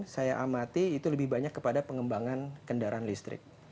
saya amati itu lebih banyak kepada pengembangan kendaraan listrik